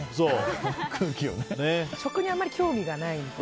食にあまり興味がない。